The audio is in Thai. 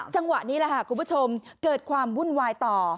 จังหวะนี้แหละค่ะคุณผู้ชมเกิดความวุ่นวายต่อ